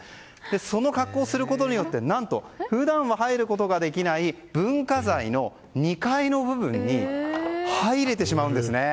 その格好をすることによって普段は入ることができない文化財の２階の部分に入れてしまうんですね。